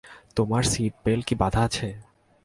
তোমার seat belt কি বাঁধা আছে?